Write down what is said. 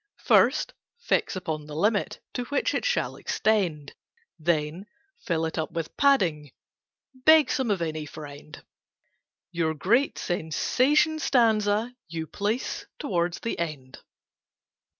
"First fix upon the limit To which it shall extend: Then fill it up with 'Padding' (Beg some of any friend): Your great SENSATION STANZA You place towards the end."